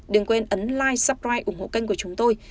đừng quên ấn like subscribe ủng hộ kênh của chúng tôi